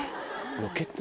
ロケット？